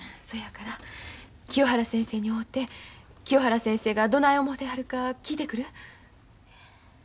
そやから清原先生に会うて清原先生がどない思てはるか聞いてくる。